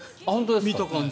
見た感じ。